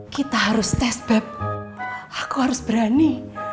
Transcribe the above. kita harus tes web aku harus berani